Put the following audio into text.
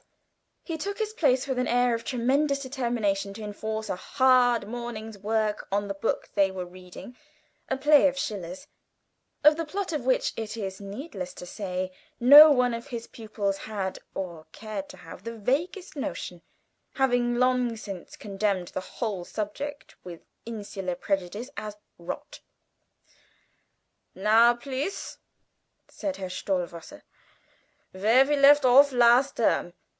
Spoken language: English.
He took his place with an air of tremendous determination to enforce a hard morning's work on the book they were reading a play of Schiller's, of the plot of which, it is needless to say, no one of his pupils had or cared to have the vaguest notion, having long since condemned the whole subject, with insular prejudice, as "rot." "Now, please," said Herr Stohwasser, "where we left off last term.